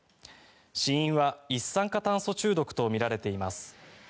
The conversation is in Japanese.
死因は一酸化炭素中毒とみられています。